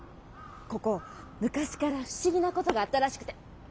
ここ昔から「不思議なこと」があったらしくて。